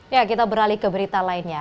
ya kita beralih ke berita lainnya